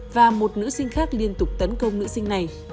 và một nữ sinh khác liên tục tấn công nữ sinh này